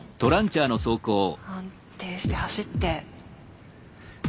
安定して走って。